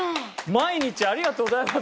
毎日ありがとうございます。